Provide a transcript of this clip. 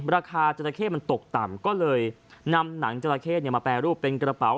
ราคาจราเข้มันตกต่ำก็เลยนำหนังจราเข้มาแปรรูปเป็นกระเป๋า